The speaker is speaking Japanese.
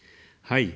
はい。